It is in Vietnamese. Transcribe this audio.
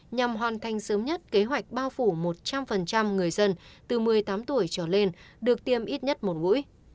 nhằm hoàn thành sớm nhất kế hoạch bao phủ một trăm linh người dân từ một mươi tám tuổi trở lên được tiêm ít nhất một mũi